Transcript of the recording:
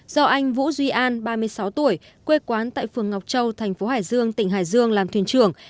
do anh vũ duy an ba mươi sáu tuổi quê quán tại phường ngọc châu thành phố hải dương tỉnh hải dương làm thuyền trưởng